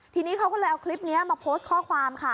ทีนี้เขาก็เลยเอาคลิปนี้มาโพสต์ข้อความค่ะ